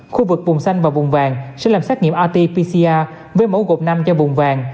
khu vực vùng xanh và vùng vàng sẽ làm xét nghiệm rt pcr với mẫu gột năm cho vùng vàng